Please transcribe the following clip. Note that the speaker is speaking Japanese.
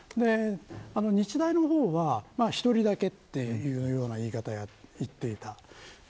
日大の方は１人だけという言い方をしていた。